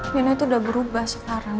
mina itu udah berubah sekarang